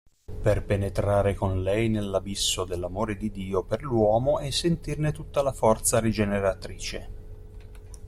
Per penetrare con Lei nell'abisso dell'amore di Dio per l'uomo e sentirne tutta la forza rigeneratrice.